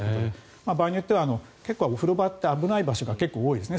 場合によってはお風呂場って結構危ない場所が多いですよね。